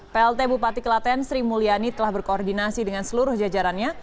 plt bupati kelaten sri mulyani telah berkoordinasi dengan seluruh jajarannya